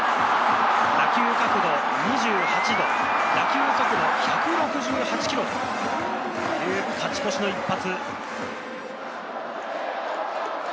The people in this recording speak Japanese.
打球角度２８度、打球速度１６８キロという勝ち越しの一発。